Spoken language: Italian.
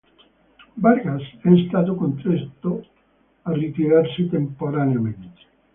Vargas è stato costretto a ritirarsi temporaneamente.